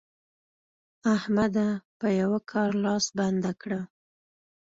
احمده! په یوه کار لاس بنده کړه.